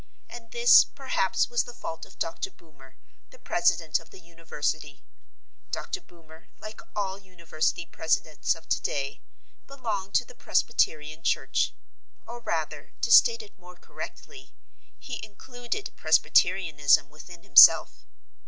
And this, perhaps, was the fault of Dr. Boomer, the president of the university. Dr. Boomer, like all university presidents of today, belonged to the presbyterian church; or rather, to state it more correctly, he included presbyterianism within himself.